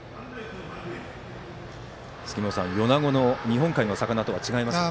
米子の、日本海の魚とは違いますかね。